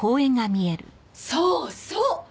そうそう！